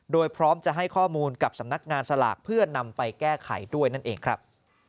โดยพร้อมจะให้ข้อมูลกับสำนักงานสลากเพื่อนำไปแก้ไขด้วยนั่นเองครับ